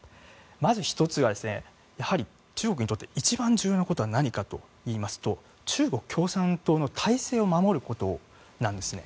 まず１つがやはり中国にとって一番重要なことは何かといいますと中国共産党の体制を守ることなんですね。